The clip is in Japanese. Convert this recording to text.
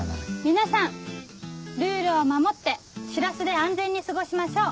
皆さんルールを守って「しらす」で安全に過ごしましょう。